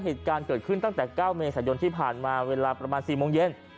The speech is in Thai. เหตุการณ์เกิดขึ้นตั้งแต่๙เมษายนที่ผ่านมาเวลาประมาณ๔โมงเย็น